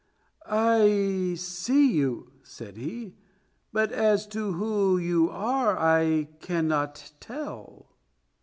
"I see you," said he, "but as to who you are I cannot tell."